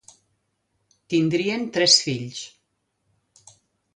Tindrien tres fills: